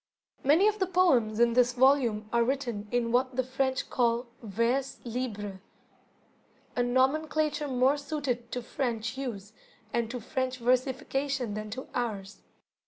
Many of the poems in this volume are written in what the French call "Vers Libre", a nomenclature more suited to French use and to French versification than to ours.